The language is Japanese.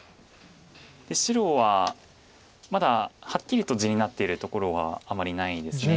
で白はまだはっきりと地になっているところはあまりないです。